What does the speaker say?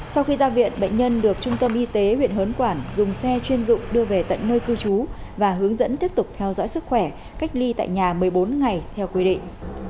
sau khi ra viện bệnh nhân được trung tâm y tế huyện hớn quản dùng xe chuyên dụng đưa về tận nơi cư trú và hướng dẫn tiếp tục theo dõi sức khỏe cách ly tại nhà một mươi bốn ngày theo quy định